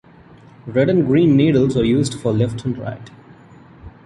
Red and green needles are used for left and right.